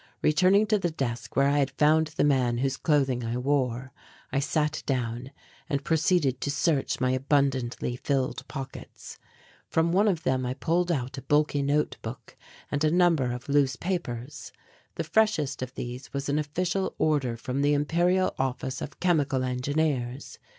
Returning to the desk where I had found the man whose clothing I wore, I sat down and proceeded to search my abundantly filled pockets. From one of them I pulled out a bulky notebook and a number of loose papers. The freshest of these was an official order from the Imperial Office of Chemical Engineers.